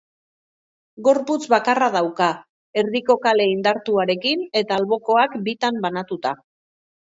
Gorputz bakarra dauka, erdiko kale indartuarekin eta albokoak bitan banatuta.